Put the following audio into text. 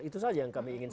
itu saja yang kami inginkan